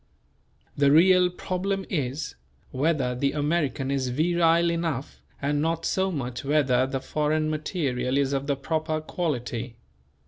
The real problem is: Whether the American is virile enough and not so much whether the foreign material is of the proper quality.